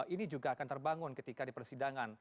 ini juga akan terbangun ketika di persidangan